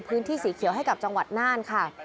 พื้นที่สีเขียวให้กับจังหวัดน่านค่ะ